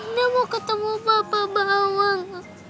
indah mau ketemu bapak bawang